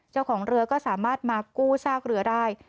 เจ้าของเรือก็สามารถมากู้ซากเรือได้